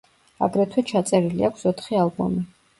აგრეთვე ჩაწერილი აქვს ოთხი ალბომი.